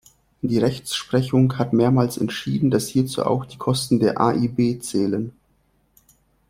Die Rechtsprechung hat mehrmals entschieden, dass hierzu auch die Kosten der AiB zählen.